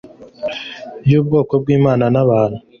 yubwoko bwimana n bantu